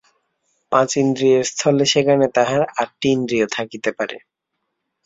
পাঁচ ইন্দ্রিয়ের স্থলে সেখানে তাহার আটটি ইন্দ্রিয় থাকিতে পারে।